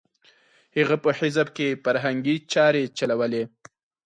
هغه په حزب کې فرهنګي چارې چلولې.